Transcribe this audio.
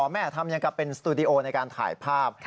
แม่ทำอย่างกับเป็นสตูดิโอในการถ่ายภาพ